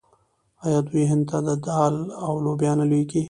آیا دوی هند ته دال او لوبیا نه لیږي؟